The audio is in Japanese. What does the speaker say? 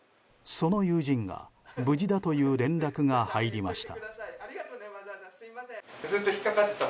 その友人が無事だという連絡が入りました。